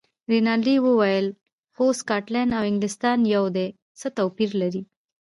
رینالډي وویل: خو سکاټلنډ او انګلیستان یو دي، څه توپیر لري.